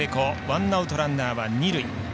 ワンアウト、ランナーは二塁。